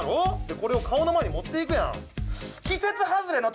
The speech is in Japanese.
これを顔の前にもっていくやん。